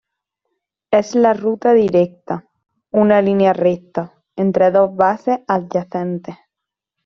Es la ruta directa -una línea recta- entre dos bases adyacentes.